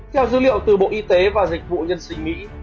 theo dữ liệu từ bộ y tế và dịch vụ nhân sự mỹ